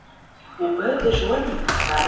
په هر کلي کې کتابتون پکار دی.